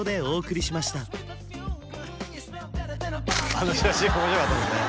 あの写真面白かったですね